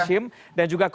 terima kasih rizal